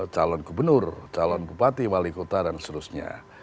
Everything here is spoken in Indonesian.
calon gubernur calon bupati wali kota dan seterusnya